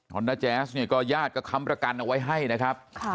อนด้าแจ๊สเนี่ยก็ญาติก็ค้ำประกันเอาไว้ให้นะครับ